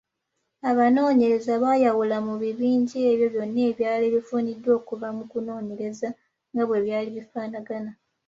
Abanoonyereza bayawula mu bibinja ebyo byonna ebyali bifuniddwa okuva mu kunoonyereza nga we byali bifaanagana.